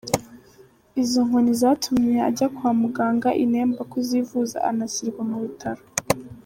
Izo nkoni zatumye ajya kwa muganga i Nemba kuzivuza anashyirwa mu bitaro.